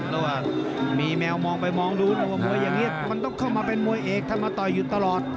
เพราะว่ามีแมวมองไปมองดูว่ามวยอย่างนี้มันต้องเข้ามาเป็นมวยเอกถ้ามาต่อยอยู่ตลอด